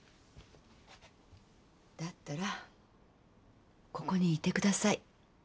だったらここにいてください。